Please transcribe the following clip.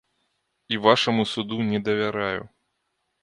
І вашаму суду не давяраю.